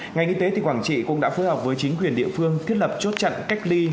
ngành y tế tỉnh quảng trị cũng đã phối hợp với chính quyền địa phương thiết lập chốt chặn cách ly